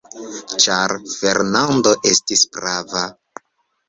Ĉar Fernando estis prava.